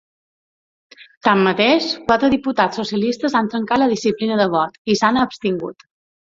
Tanmateix, quatre diputats socialistes han trencat la disciplina de vot i s’han abstingut.